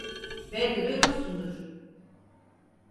Belki duymuşsundur.